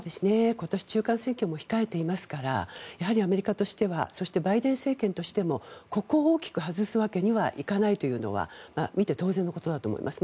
今年、中間選挙も控えていますからやはりアメリカとしてはそしてバイデン政権としてもここを大きく外すわけにはいかないというのは見て当然のことだと思います。